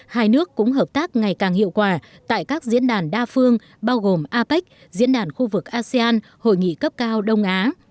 hai nước cũng hợp tác ngày càng hiệu quả tại các diễn đàn đa phương bao gồm apec diễn đàn khu vực asean hội nghị cấp cao đông á